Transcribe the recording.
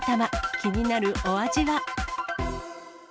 気になるお味は？